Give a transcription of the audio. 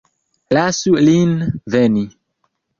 Lasu lin veni.